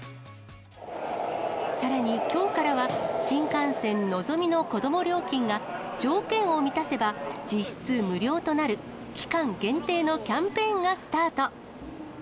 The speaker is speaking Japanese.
さらに、きょうからは新幹線のぞみの子ども料金が、条件を満たせば実質無料となる、期間限定のキャンペーンがスタート。